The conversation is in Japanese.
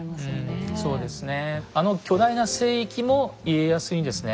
そうですね。